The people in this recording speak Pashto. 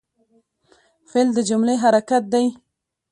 فعل د جملې حرکت دئ.